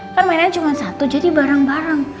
kan mainan cuma satu jadi bareng bareng